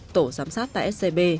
tổ giám sát tại scb